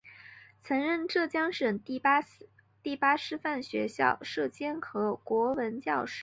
曾任浙江省第八师范学校舍监和国文教师。